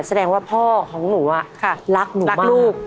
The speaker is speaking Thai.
แสดงว่าพ่อของหนูรักหนูรักลูก